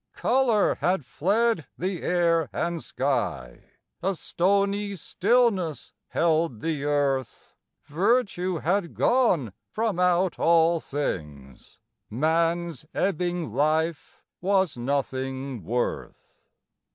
Color had fled the air and sky, A stony stillness held the earth, Virtue had gone from out all things, Man's ebbing life was nothing worth.